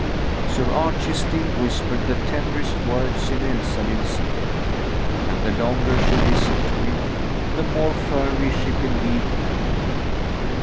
Sir Archie still whispered the tenderest words in Elsalill's ear. And the longer she listened to him, the more firmly she believed in him.